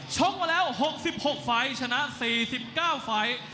ชกมาแล้ว๖๖ไฟล์ชนะ๔๙ไฟล์